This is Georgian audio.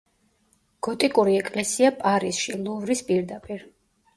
გოტიკური ეკლესია პარიზში, ლუვრის პირდაპირ.